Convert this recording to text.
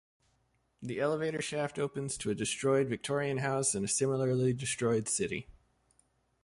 The elevator shaft opens to a destroyed Victorian house in a similarly destroyed city.